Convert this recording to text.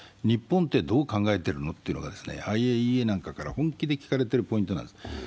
日本ってどう考えてるのというのがＩＡＥＡから本気で聞かれているポイントなんです。